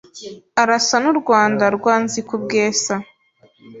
Arasa n’u Rwanda rwa Nzikubwesa